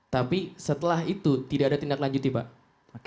tapi setelah itu tidak ada tindak lanjuti pak